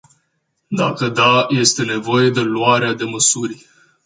Dacă da, este nevoie de luarea de măsuri.